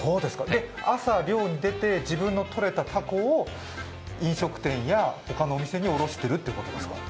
朝、漁に出て自分の取れたたこを飲食店や他のお店に卸してるってことですか？